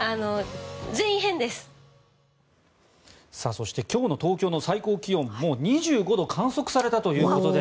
そして今日の東京の最高気温もう２５度観測されたということで。